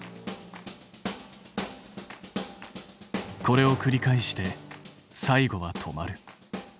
これをくり返して最後は止まる。